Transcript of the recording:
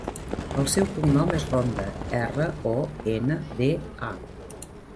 El seu cognom és Ronda: erra, o, ena, de, a.